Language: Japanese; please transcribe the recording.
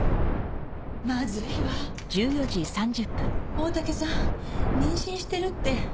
大竹さん妊娠してるって。